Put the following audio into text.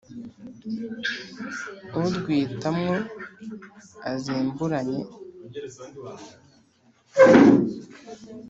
urwita mwo azimburanye,